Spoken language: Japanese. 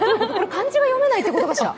漢字が読めないってことかしら。